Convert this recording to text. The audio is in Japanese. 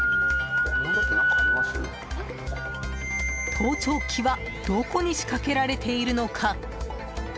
盗聴器はどこに仕掛けられているのか？